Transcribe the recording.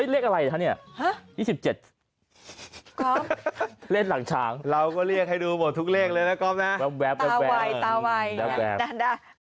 เลขอะไรนะเนี่ย๒๗เลขหลังช้างเราก็เรียกให้ดูหมดทุกเลขเลยนะกอล์ฟนะตาวัยตาวัยดาดาด